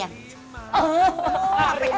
biar meledak sekalian